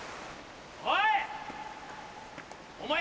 おい！